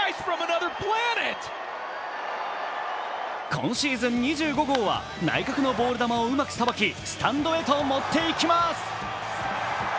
今シーズン２５号は内角のボール球をうまくさばき、スタンドへと持っていきます。